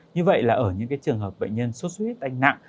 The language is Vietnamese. như vậy là ở những trường hợp bệnh nhân suất huyết đanh nặng